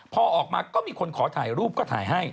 พอออกมาก็มีคนขอถ่ายรูปก็ถ่ายให้